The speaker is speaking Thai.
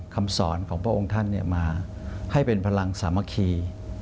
คำสอนของพระองค์ท่านมาให้เป็นพลังสามัคคี